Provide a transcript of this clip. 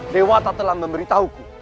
dewa tak telah memberitahuku